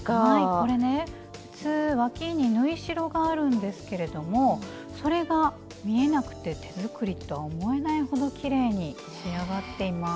これね普通わきに縫い代があるんですけれどもそれが見えなくて手作りとは思えないほどきれいに仕上がっています。